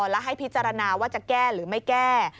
และให้พิจารณาว่าจะแก้หรือไม่แก้